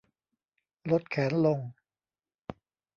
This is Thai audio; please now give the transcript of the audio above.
ลดแขนลง